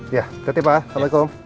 iya tetep pak assalamualaikum